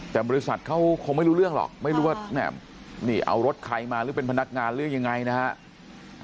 แต่บริษัทเขาคงไม่รู้เรื่องหรอกไม่รู้ว่าแม่นี่เอารถใครมาหรือเป็นพนักงานหรือยังไงนะครับ